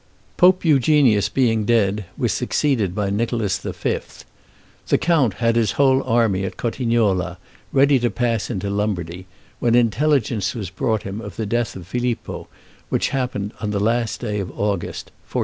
Pope Eugenius being dead, was succeeded by Nicholas V. The count had his whole army at Cotignola, ready to pass into Lombardy, when intelligence was brought him of the death of Filippo, which happened on the last day of August, 1447.